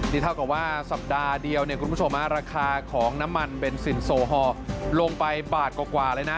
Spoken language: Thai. นี่เท่ากับว่าสัปดาห์เดียวเนี่ยคุณผู้ชมราคาของน้ำมันเบนซินโซฮอลลงไปบาทกว่าเลยนะ